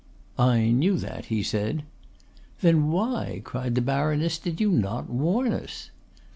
"I knew that," he said. "Then why," cried the baroness, "did you not warn us?"